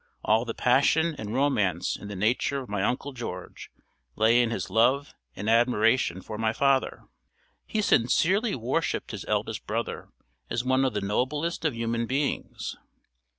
All the passion and romance in the nature of my Uncle George lay in his love and admiration for my father. He sincerely worshipped his eldest brother as one of the noblest of human beings.